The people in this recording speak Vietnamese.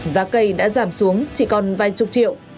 giá cây đã giảm xuống chỉ còn vài chục triệu